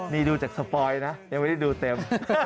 นี่ดูจากสปอยนะยังเต็ม